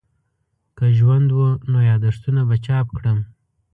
که ژوند وو نو یادښتونه به چاپ کړم.